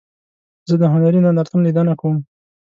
زه د هنري نندارتون لیدنه کوم.